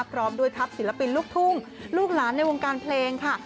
พร้อมด้วยทัพศิลปินลูกทุ่งลูกหลานในวงการเพลงค่ะ